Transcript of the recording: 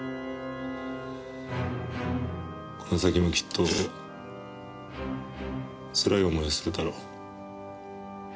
この先もきっとつらい思いをするだろう。